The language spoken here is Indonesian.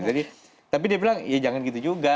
jadi tapi dia bilang ya jangan gitu juga